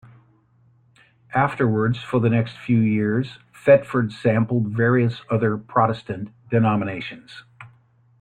Afterwards, for the next few years, Thetford sampled various other Protestant denominations.